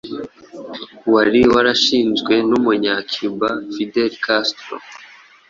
wari warashinzwe n’umunya cuba fidel castro